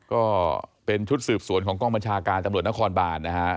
ก็เป็นชุดสืบสวนของกองบัญชาการตำรวจนครบานนะฮะ